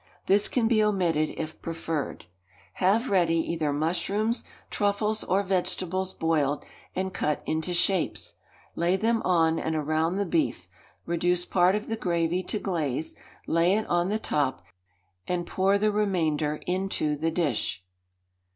(This can he omitted if preferred.) Have ready either mushrooms, truffles, or vegetables boiled, and cut into shapes, Lay them on and around the beef; reduce part of the gravy to glaze, lay it on the top, and pour the remainder into the dish.